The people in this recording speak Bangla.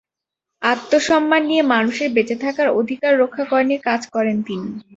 আত্মসম্মান নিয়ে মানুষের বেঁচে থাকার অধিকার রক্ষা করা নিয়ে কাজ করেন তিনি।